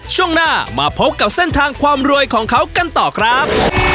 ช่วงหน้ามาพบกับเส้นทางความรวยของเขากันต่อครับ